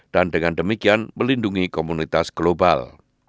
dan dengan demikian melindungi komunitas global